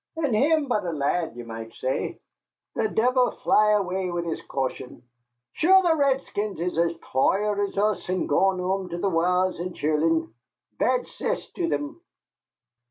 And him but a lad, ye might say. The divil fly away wid his caution! Sure the redskins is as toired as us, and gone home to the wives and childher, bad cess to thim."